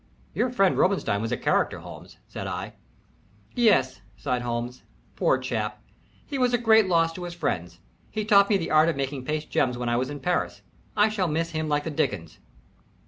"Your friend Robinstein was a character, Holmes," said I. "Yes," sighed Holmes. "Poor chap he was a great loss to his friends. He taught me the art of making paste gems when I was in Paris. I miss him like the dickens."